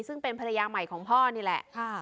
ซึ่งเป็นภรรยาใหม่ของพ่อนี่แหละ